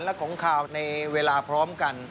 และของข่าวในเวลาพร้อมกัน